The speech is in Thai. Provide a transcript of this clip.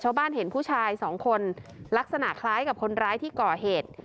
ชาวบ้านเห็นผู้ชายสองคนลักษณะคล้ายกับคนร้ายที่ก่อเหตุ